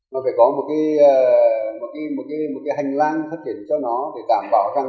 nó phải có một cái hành lang phát triển cho nó để đảm bảo rằng